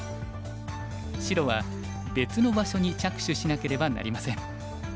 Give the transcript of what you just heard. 白は別の場所に着手しなければなりません。